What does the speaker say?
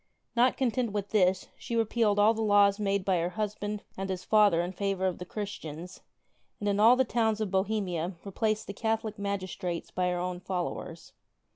Not content with this, she repealed all the laws made by her husband and his father in favor of the Christians, and in all the towns of Bohemia replaced the Catholic magistrates by her own followers.